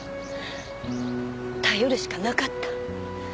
頼るしかなかった。